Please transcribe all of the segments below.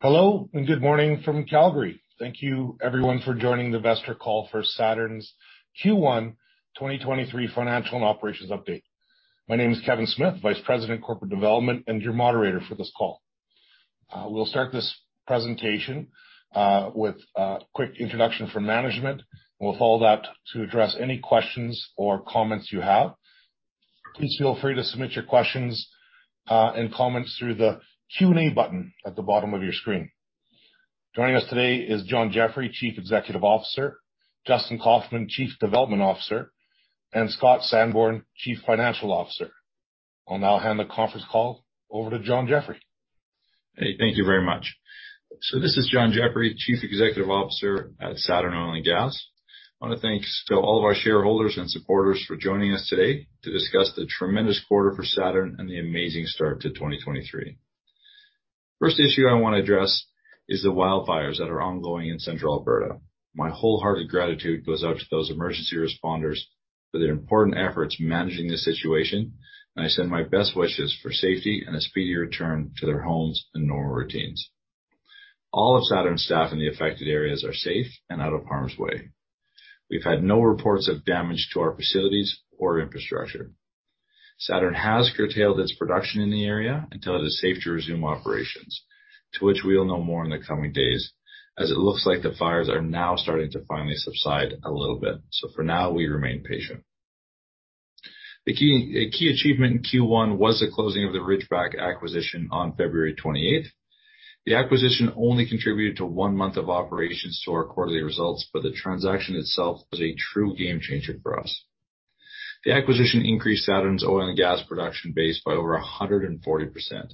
Hello, good morning from Calgary. Thank you everyone for joining the investor call for Saturn's Q1 2023 financial and operations update. My name is Kevin Smith, Vice President, Corporate Development, and your moderator for this call. We'll start this presentation with a quick introduction from management. We'll follow that to address any questions or comments you have. Please feel free to submit your questions and comments through the Q&A button at the bottom of your screen. Joining us today is John Jeffrey, Chief Executive Officer, Justin Kaufmann, Chief Development Officer, and Scott Sanborn, Chief Financial Officer. I'll now hand the conference call over to John Jeffrey. Hey, thank you very much. This is John Jeffrey, Chief Executive Officer at Saturn Oil and Gas. I wanna thanks to all of our shareholders and supporters for joining us today to discuss the tremendous quarter for Saturn and the amazing start to 2023. First issue I wanna address is the wildfires that are ongoing in Central Alberta. My wholehearted gratitude goes out to those emergency responders for their important efforts in managing this situation, and I send my best wishes for safety and a speedy return to their homes and normal routines. All of Saturn's staff in the affected areas are safe and out of harm's way. We've had no reports of damage to our facilities or infrastructure. Saturn has curtailed its production in the area until it is safe to resume operations, to which we'll know more in the coming days, as it looks like the fires are now starting to finally subside a little bit. For now, we remain patient. The key, a key achievement in Q1 was the closing of the Ridgeback acquisition on February 28th. The acquisition only contributed to one month of operations to our quarterly results, but the transaction itself was a true game changer for us. The acquisition increased Saturn's oil and gas production base by over 140%.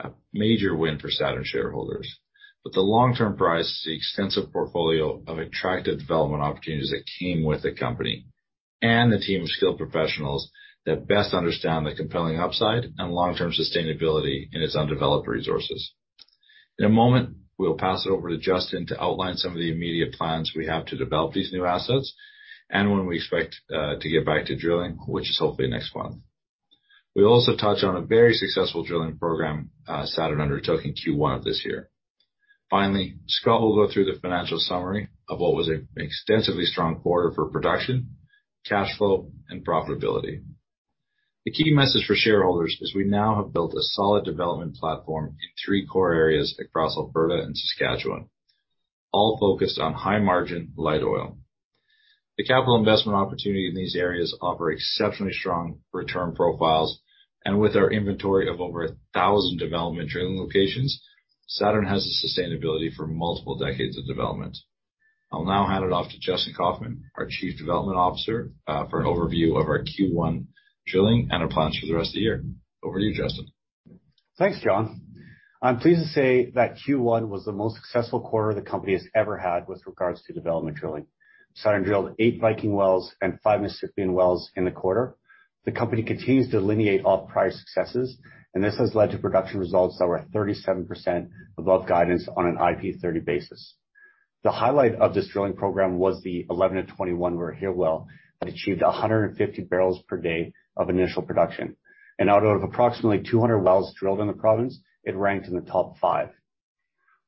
A major win for Saturn shareholders. The long-term prize is the extensive portfolio of attractive development opportunities that came with the company, and the team of skilled professionals that best understand the compelling upside and long-term sustainability in its undeveloped resources. In a moment, we'll pass it over to Justin to outline some of the immediate plans we have to develop these new assets and when we expect to get back to drilling, which is hopefully next month. We'll also touch on a very successful drilling program Saturn undertook in Q1 of this year. Finally, Scott will go through the financial summary of what was an extensively strong quarter for production, cash flow, and profitability. The key message for shareholders is we now have built a solid development platform in three core areas across Alberta and Saskatchewan, all focused on high margin light oil. The capital investment opportunity in these areas offer exceptionally strong return profiles, and with our inventory of over 1,000 development drilling locations, Saturn has the sustainability for multiple decades of development. I'll now hand it off to Justin Kaufmann, our Chief Development Officer, for an overview of our Q1 drilling and our plans for the rest of the year. Over to you, Justin. Thanks, John. I'm pleased to say that Q1 was the most successful quarter the company has ever had with regards to development drilling. Saturn drilled eight Viking wells and five Mississippian wells in the quarter. The company continues to delineate off prior successes, and this has led to production results that were 37% above guidance on an IP30 basis. The highlight of this drilling program was the 11-21 Weir Hill well that achieved 150 barrels per day of initial production. Out of approximately 200 wells drilled in the province, it ranked in the top five.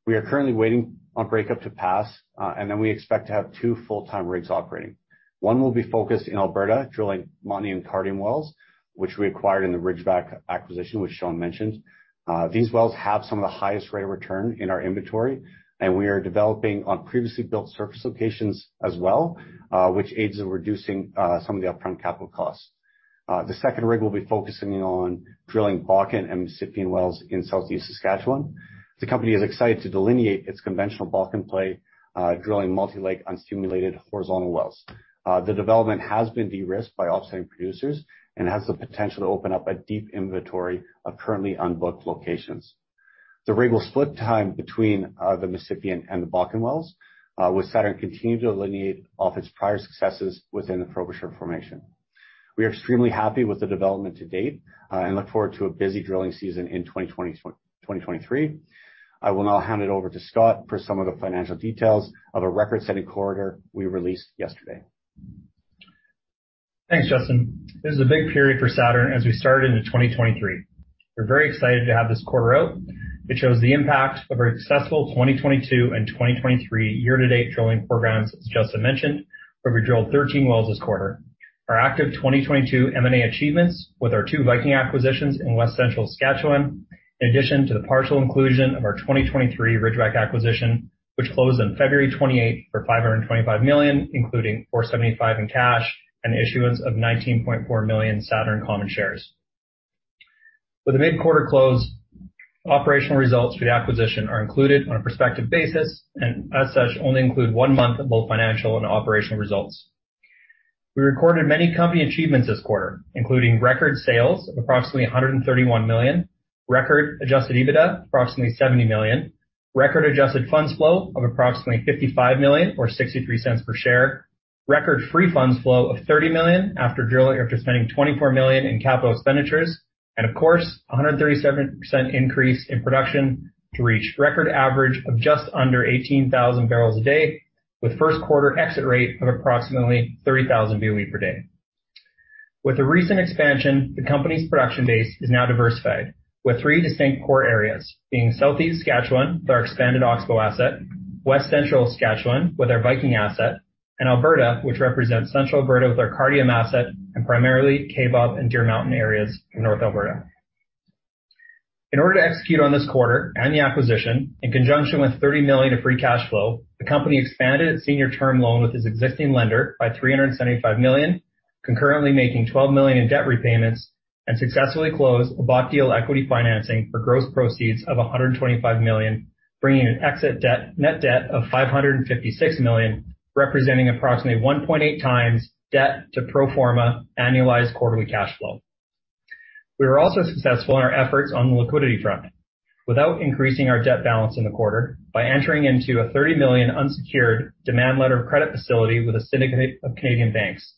We are currently waiting on break-up to pass, and then we expect to have two full-time rigs operating. One will be focused in Alberta, drilling Montney and Cardium wells, which we acquired in the Ridgeback acquisition, which John mentioned. These wells have some of the highest rate of return in our inventory, and we are developing on previously built surface locations as well, which aids in reducing some of the upfront capital costs. The second rig will be focusing on drilling Bakken and Mississippian wells in Southeast Saskatchewan. The company is excited to delineate its conventional Bakken play, drilling multi-leg unstimulated horizontal wells. The development has been de-risked by offset producers and has the potential to open up a deep inventory of currently unbooked locations. The rig will split time between the Mississippian and the Bakken wells, with Saturn continuing to delineate off its prior successes within the Frobisher Formation. We are extremely happy with the development to date, and look forward to a busy drilling season in 2022-2023. I will now hand it over to Scott for some of the financial details of a record-setting quarter we released yesterday. Thanks, Justin. This is a big period for Saturn as we start into 2023. We're very excited to have this quarter out, which shows the impact of our successful 2022 and 2023 year-to-date drilling programs, as Justin mentioned, where we drilled 13 wells this quarter. Our active 2022 M&A achievements with our two Viking acquisitions in West Central Saskatchewan, in addition to the partial inclusion of our 2023 Ridgeback acquisition, which closed on February 28th for 525 million, including 475 million in cash and issuance of 19.4 million Saturn common shares. With the mid-quarter close, operational results for the acquisition are included on a prospective basis and as such, only include one month of both financial and operational results. We recorded many company achievements this quarter, including record sales of approximately 131 million, record Adjusted EBITDA of approximately 70 million, record Adjusted funds flow of approximately 55 million or 0.63 per share, record free funds flow of 30 million after drilling after spending 24 million in capital expenditures, and of course, a 137% increase in production to reach record average of just under 18,000 barrels a day, with first quarter exit rate of approximately 30,000 BOE per day. With the recent expansion, the company's production base is now diversified with three distinct core areas, being Southeast Saskatchewan with our expanded Oxbow asset, West Central Saskatchewan with our Viking asset, and Alberta, which represents Central Alberta with our Cardium asset, and primarily Kaybob and Deer Mountain areas in North Alberta. In order to execute on this quarter and the acquisition, in conjunction with 30 million of free cash flow, the company expanded its senior term loan with its existing lender by 375 million, concurrently making 12 million in debt repayments, and successfully closed a bought deal equity financing for gross proceeds of 125 million, bringing a net debt of 556 million, representing approximately 1.8x debt to pro forma annualized quarterly cash flow. We were also successful in our efforts on the liquidity front without increasing our debt balance in the quarter by entering into a 30 million unsecured demand letter of credit facility with a syndicate of Canadian banks,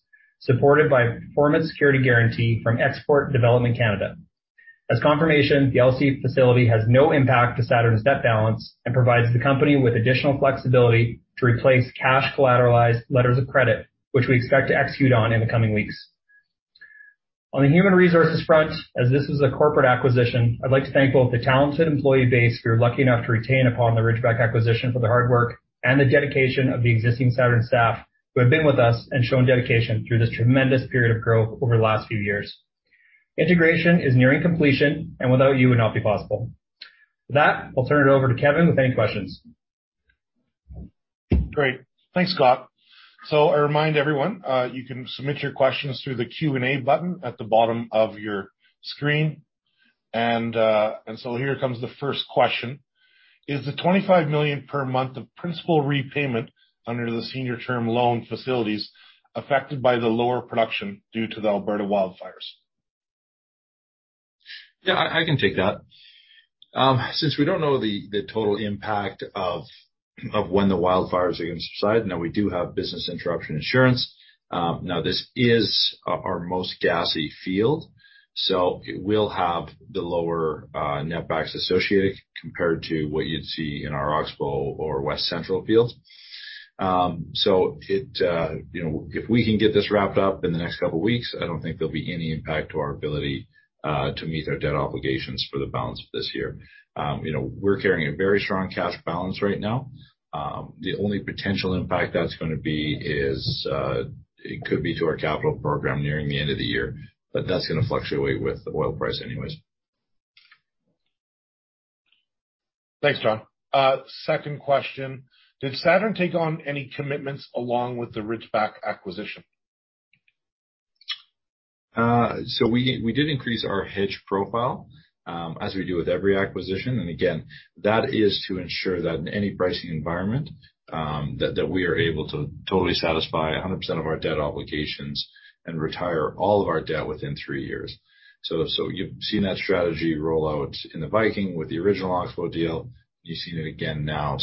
supported by a performance security guarantee from Export Development Canada. As confirmation, the LC facility has no impact to Saturn's debt balance and provides the company with additional flexibility to replace cash-collateralized letters of credit, which we expect to execute on in the coming weeks. On the human resources front, as this is a corporate acquisition, I'd like to thank both the talented employee base we were lucky enough to retain upon the Ridgeback acquisition for their hard work, and the dedication of the existing Saturn staff who have been with us and shown dedication through this tremendous period of growth over the last few years. Integration is nearing completion, and without you, it would not be possible. With that, I'll turn it over to Kevin with any questions. Great. Thanks, Scott. I remind everyone, you can submit your questions through the Q&A button at the bottom of your screen. Here comes the first question. Is the 25 million per month of principal repayment under the senior term loan facilities affected by the lower production due to the Alberta wildfires? I can take that. Since we don't know the total impact of when the wildfires are gonna subside, we do have business interruption insurance. This is our most gassy field, so it will have the lower netbacks associated compared to what you'd see in our Oxbow or West Central fields. It, you know, if we can get this wrapped up in the next couple weeks, I don't think there'll be any impact to our ability to meet our debt obligations for the balance of this year. You know, we're carrying a very strong cash balance right now. The only potential impact that's gonna be is it could be to our capital program nearing the end of the year, that's gonna fluctuate with the oil price anyways. Thanks, John. Second question. Did Saturn take on any commitments along with the Ridgeback acquisition? We did increase our hedge profile, as we do with every acquisition. Again, that is to ensure that in any pricing environment, that we are able to totally satisfy 100% of our debt obligations and retire all of our debt within three years. You've seen that strategy roll out in the Viking with the original Oxbow deal. You've seen it again now.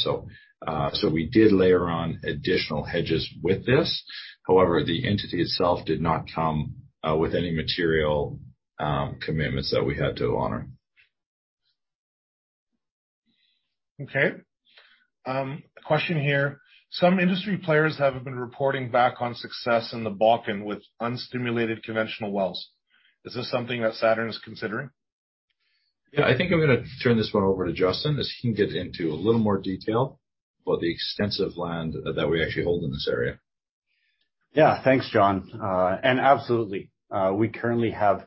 We did layer on additional hedges with this. However, the entity itself did not come with any material commitments that we had to honor. A question here. Some industry players have been reporting back on success in the Bakken with unstimulated conventional wells. Is this something that Saturn is considering? Yeah. I think I'm gonna turn this one over to Justin, as he can get into a little more detail about the extensive land that we actually hold in this area. Yeah. Thanks, John. Absolutely. We currently have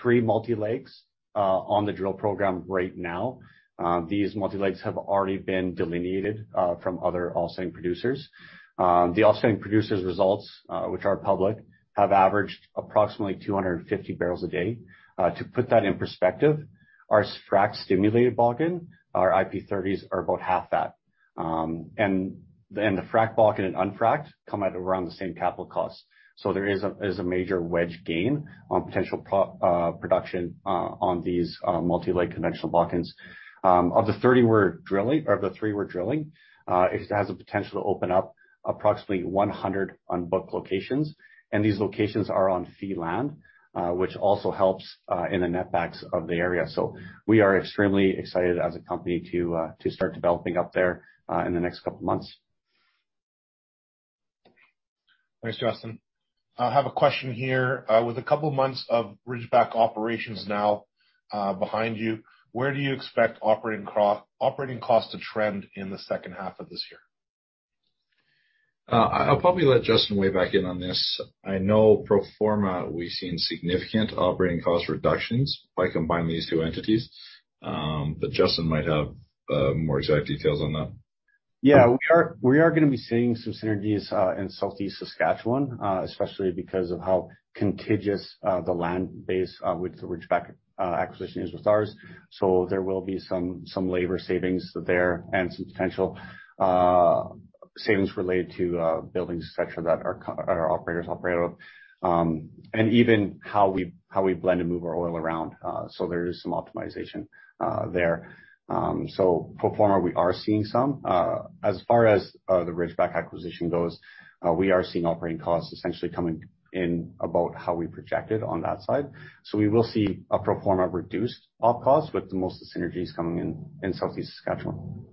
three multi-legs on the drill program right now. These multi-legs have already been delineated from other offset producers. The offset producers results, which are public, have averaged approximately 250 barrels a day. To put that in perspective, our fracked stimulated Bakken, our IP30s are about half that. The frack Bakken and unfracked come at around the same capital costs. There is a major wedge gain on potential production on these multi-leg conventional Bakkens. Of the three we're drilling, it has the potential to open up approximately 100 onbook locations. These locations are on fee land, which also helps in the netbacks of the area. We are extremely excited as a company to start developing up there in the next couple of months. Thanks, Justin. I have a question here. With a couple of months of Ridgeback operations now behind you, where do you expect operating costs to trend in the second half of this year? I'll probably let Justin weigh back in on this. I know pro forma, we've seen significant operating cost reductions by combining these two entities. Justin might have more exact details on that. We are gonna be seeing some synergies in Southeast Saskatchewan, especially because of how contiguous the land base with the Ridgeback acquisition is with ours. There will be some labor savings there and some potential savings related to buildings, et cetera, that our operators operate on. And even how we, how we blend and move our oil around. There is some optimization there. Pro forma, we are seeing some. As far as the Ridgeback acquisition goes, we are seeing operating costs essentially coming in about how we projected on that side. We will see a pro forma reduced op costs, with the most of the synergies coming in in Southeast Saskatchewan.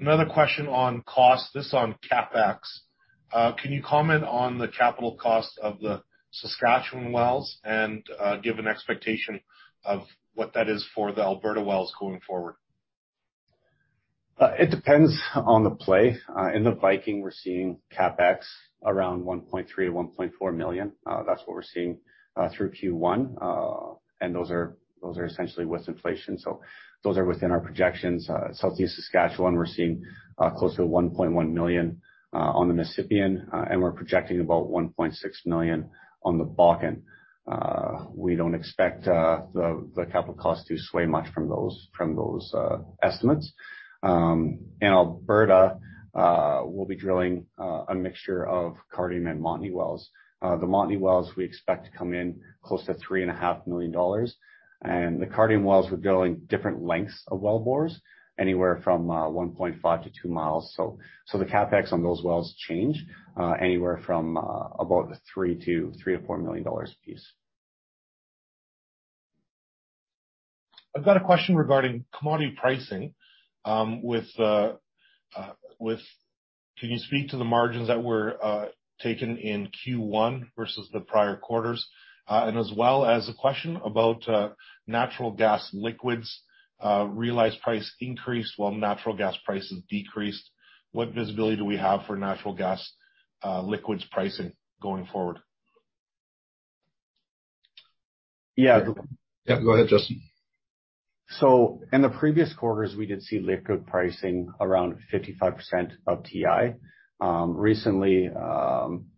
Another question on cost, this on CapEx. Can you comment on the capital cost of the Saskatchewan wells and give an expectation of what that is for the Alberta wells going forward? It depends on the play. In the Viking, we're seeing CapEx around 1.3 million-1.4 million. That's what we're seeing through Q1. Those are essentially with inflation. Those are within our projections. Southeast Saskatchewan, we're seeing close to 1.1 million on the Mississippian, and we're projecting about 1.6 million on the Bakken. We don't expect the capital costs to sway much from those estimates. In Alberta, we'll be drilling a mixture of Cardium and Montney wells. The Montney wells, we expect to come in close to 3.5 million dollars. The Cardium wells, we're drilling different lengths of well bores, anywhere from 1.5-2 miles. The CapEx on those wells change anywhere from about 3 million-4 million dollars apiece. I've got a question regarding commodity pricing. Can you speak to the margins that were taken in Q1 versus the prior quarters? As well as a question about natural gas liquids realized price increased while natural gas prices decreased. What visibility do we have for natural gas liquids pricing going forward? Yeah. Yeah, go ahead, Justin. In the previous quarters, we did see liquid pricing around 55% of WTI. Recently,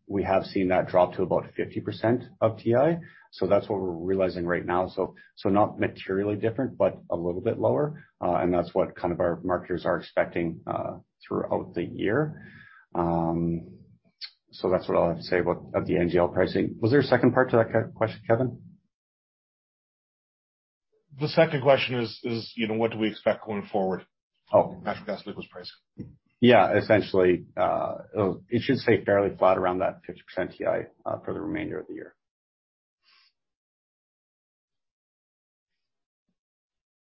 we have seen that drop to about 50% of WTI. That's what we're realizing right now. Not materially different, but a little bit lower. That's what kind of our marketers are expecting throughout the year. That's what I'll have to say about the NGL pricing. Was there a second part to that question, Kevin? The second question is, you know, what do we expect going forward? Oh. Natural gas liquids pricing. Yeah. Essentially, it should stay fairly flat around that 50% WTI for the remainder of the year.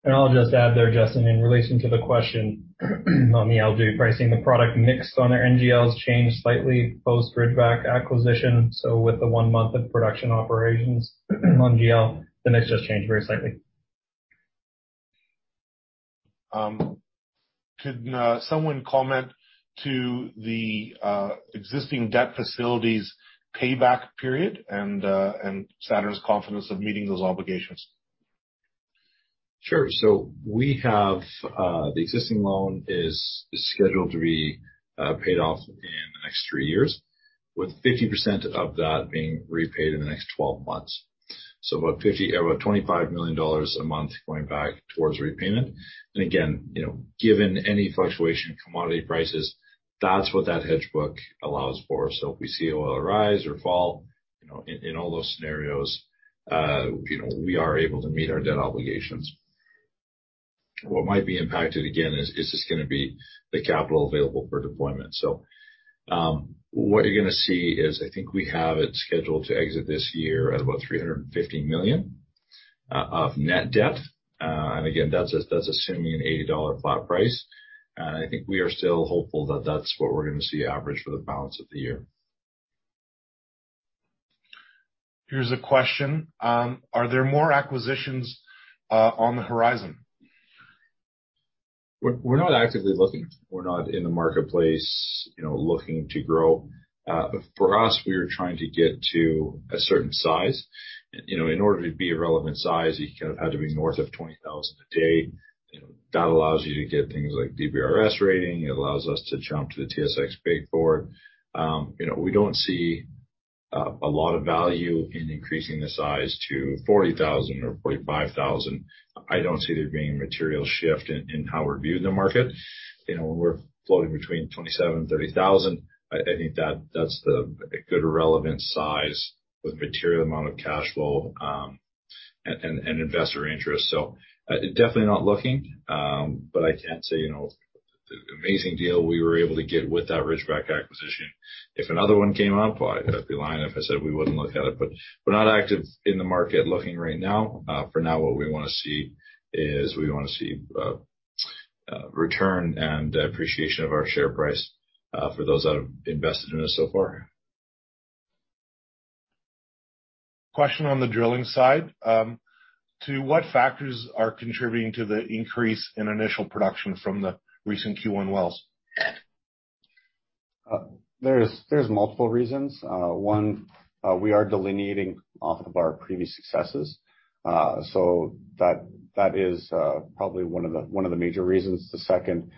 I'll just add there, Justin, in relation to the question on the NGL pricing, the product mix on their NGLs changed slightly post Ridgeback acquisition. With the one month of production operations on NGL, the mix just changed very slightly. Could someone comment to the existing debt facilities payback period and Saturn's confidence of meeting those obligations? Sure. We have the existing loan is scheduled to be paid off in the next three years, with 50% of that being repaid in the next 12 months. About 25 million dollars a month going back towards repayment. Again, you know, given any fluctuation in commodity prices, that's what that hedge book allows for. If we see oil rise or fall, you know, in all those scenarios, you know, we are able to meet our debt obligations. What might be impacted, again, is just gonna be the capital available for deployment. What you're gonna see is I think we have it scheduled to exit this year at about 350 million of net debt. Again, that's assuming an $80 flat price. I think we are still hopeful that that's what we're gonna see average for the balance of the year. Here's a question. Are there more acquisitions on the horizon? We're not actively looking. We're not in the marketplace, you know, looking to grow. For us, we are trying to get to a certain size. You know, in order to be a relevant size, you kind of have to be north of 20,000 a day. You know, that allows you to get things like DBRS rating. It allows us to jump to the TSX Big Board. You know, we don't see a lot of value in increasing the size to 40,000 or 45,000. I don't see there being a material shift in how we view the market. You know, when we're floating between 27,000-30,000, I think that's a good relevant size with material amount of cash flow and investor interest. Definitely not looking, but I can say, you know, the amazing deal we were able to get with that Ridgeback acquisition, if another one came up, I'd be lying if I said we wouldn't look at it, but we're not active in the market looking right now. For now, what we wanna see is we wanna see return and appreciation of our share price, for those that have invested in us so far. Question on the drilling side. To what factors are contributing to the increase in initial production from the recent Q1 wells? There's multiple reasons. One, we are delineating off of our previous successes. That, that is probably one of the major reasons. The second,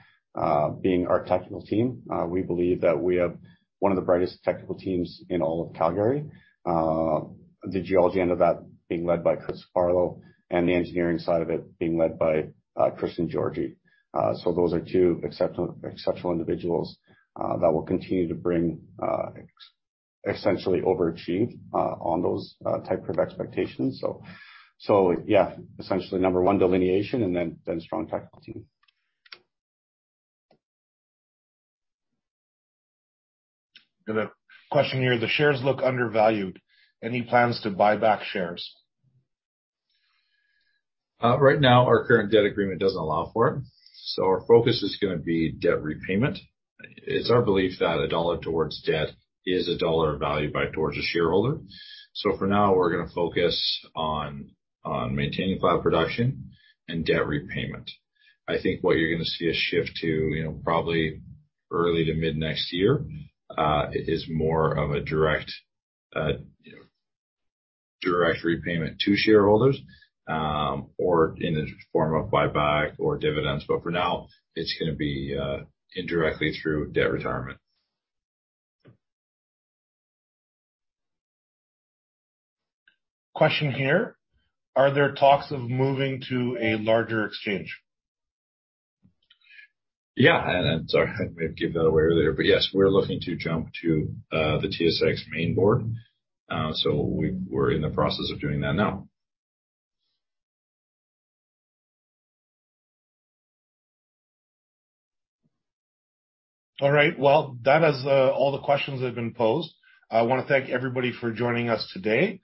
being our technical team. We believe that we have one of the brightest technical teams in all of Calgary. The geology end of that being led by Chris Farlow, and the engineering side of it being led by Christian Georgi. Those are two exceptional individuals that will continue to bring essentially overachieve on those type of expectations. Yeah, essentially number one, delineation, and then strong technical team. Got a question here. The shares look undervalued. Any plans to buy back shares? right now, our current debt agreement doesn't allow for it. Our focus is gonna be debt repayment. It's our belief that a CAD 1 towards debt is a CAD 1 of value by towards a shareholder. For now, we're gonna focus on maintaining flat production and debt repayment. I think what you're gonna see a shift to, you know, probably early to mid next year, is more of a direct, you know, direct repayment to shareholders, or in the form of buyback or dividends. For now, it's gonna be indirectly through debt retirement. Question here. Are there talks of moving to a larger exchange? Yeah. I'm sorry, I may have gave that away earlier, but yes, we're looking to jump to the TSX main board. We're in the process of doing that now. All right. Well, that is all the questions that have been posed. I want to thank everybody for joining us today.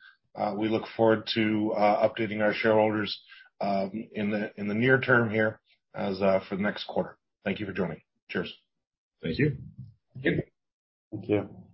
We look forward to updating our shareholders in the near term here as for the next quarter. Thank you for joining. Cheers. Thank you. Thank you. Thank you.